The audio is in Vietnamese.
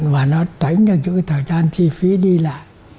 và nó tránh được những cái thời gian chi phí đi lại